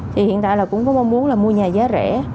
thì hiện tại là cũng có mong muốn là mua nhà giá rẻ